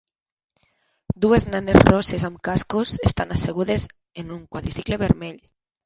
Dues nenes rosses amb cascos estan assegudes en un quadricicle vermell.